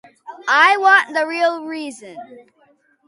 I want the real reason.